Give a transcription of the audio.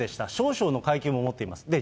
少将の階級も持っています。